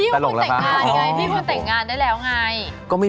เออตลกดิ